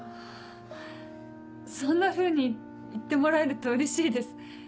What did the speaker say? そんなふうに言ってもらえるとうれしいです。